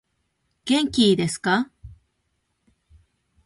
元気いですか